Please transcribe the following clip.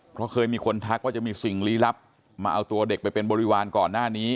เพราะเคยมีคนทักว่าจะมีสิ่งลี้ลับมาเอาตัวเด็กไปเป็นบริวารก่อนหน้านี้